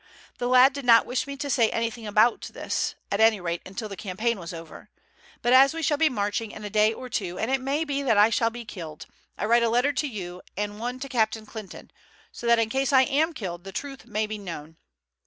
The lad did not wish me to say anything about this, at any rate until the campaign was over; but as we shall be marching in a day or two, and it may be that I shall be killed, I write a letter to you and one to Captain Clinton, so that in case I am killed the truth may be known.